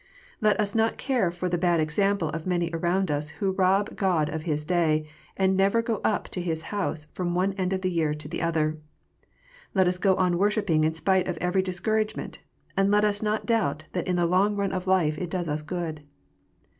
Let us not care for the bad example of many around us who rob God of His Bay, and never go up to His House from one end of the year to the other. Let us go on worshipping in spite of every discouragement, and let us not doubt that in the long run of life it does us good.